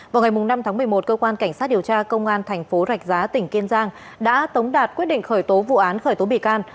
vào ngày năm tháng một mươi một cơ quan cảnh sát điều tra công an thành phố rạch giá tỉnh kiên giang đã tống đạt quyết định khởi tố vụ án khởi tố bị can